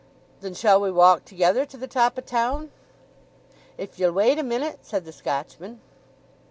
"Then shall we walk together to the top o' town?" "If ye'll wait a minute," said the Scotchman.